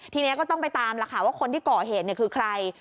ทีนี้ก็ต้องไปตามล่ะค่ะว่าคนที่ก่อเหตุคือใคร